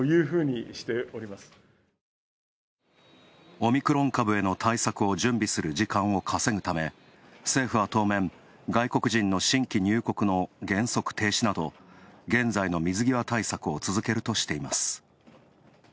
オミクロン株への対策を準備する時間を稼ぐため、政府は当面、外国人の新規入国の原則停止など現在の水際対策を続けるとしています。